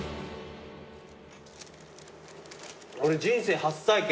俺人生初体験。